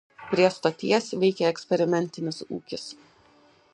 Prie stoties veikė eksperimentinis ūkis.